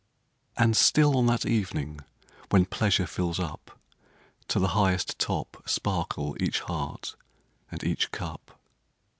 And still on that evening, when pleasure fills up ID To the highest top sparkle each heart and each cup.